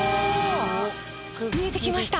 見えてきました！